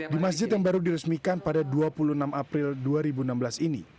di masjid yang baru diresmikan pada dua puluh enam april dua ribu enam belas ini